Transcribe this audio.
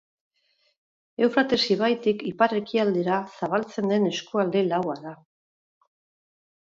Eufrates ibaitik ipar-ekialdera zabaltzen den eskualde laua da.